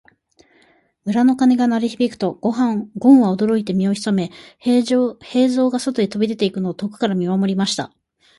村の鐘が鳴り響くと、ごんは驚いて身を潜め、兵十が外へ飛び出していくのを遠くから見守りました。